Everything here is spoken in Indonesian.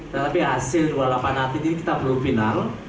tetapi hasil dua puluh delapan atlet ini kita belum final